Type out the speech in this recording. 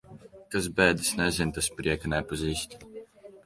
Kas bēdas nezina, tas prieka nepazīst.